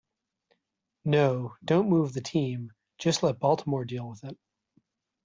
No, don't move the team, just let Baltimore deal with it.